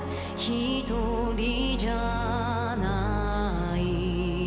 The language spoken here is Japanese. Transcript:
ひとりじゃない